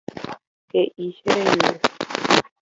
He'i che reindy.